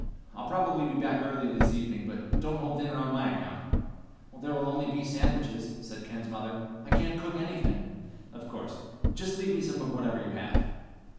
"I'll probably be back early this evening, but don't hold dinner on my account." "There will be only sandwiches," said Ken's mother. "I can't cook anything." "Of course. Just leave me some of whatever you have."